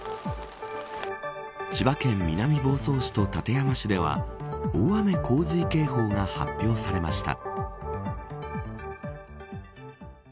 千葉県南房総市と館山市では大雨洪水警報が発表されました。